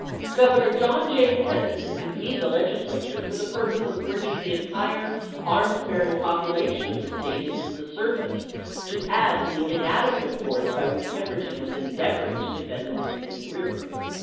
Governor John J. Pettus had convened the Legislature for the purpose of bring ing the entire arms bearing population of the State into the service to add to the inadequate force by which Pemberton was endeavoring to defend the Mississippi River.